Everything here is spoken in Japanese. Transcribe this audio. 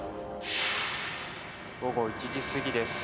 午後１時過ぎです。